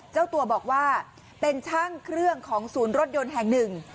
เจ้าตัวบอกว่าเป็นช่างเครื่องของศูนย์รถยนต์แห่งหนึ่ง